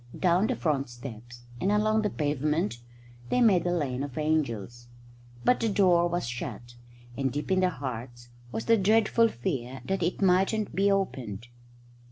Down the front steps and along the pavement they made a lane of angels. But the door was shut, and deep in their hearts was the dreadful fear that it mightn't be opened.